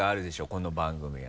この番組は。